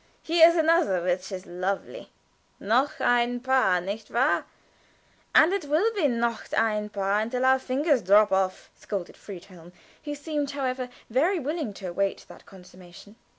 Here's another which is lovely. 'Noch ein Paar,' nicht wahr?" "And it will be 'noch ein Paar' until our fingers drop off," scolded Friedhelm, who seemed, however, very willing to await that consummation.